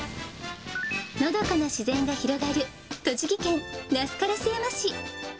のどかな自然が広がる栃木県那須烏山市。